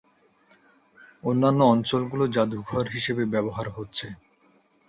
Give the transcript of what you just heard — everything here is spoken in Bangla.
অন্যান্য অঞ্চলগুলো জাদুঘর হিসেবে ব্যবহার হচ্ছে।